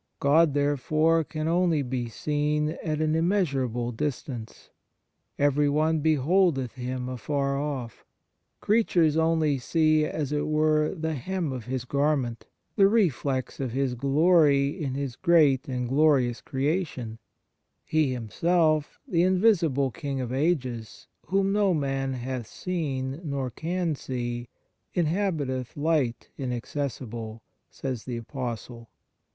God therefore can only be seen at an immeasurable distance. " Every one 1 i Pet. i. 5. 2 T p et j 4 17 THE MARVELS OF DIVINE GRACE beholdeth Him afar off." Creatures only see as it were, the hem of His garment, the reflex of His glory in His great and glorious creation; He Himself, the in visible King of Ages, whom no man hath seen nor can see, inhabiteth light inacces sible," 1 says the Apostle.